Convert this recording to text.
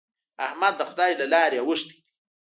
احمد د خدای له لارې اوښتی دی.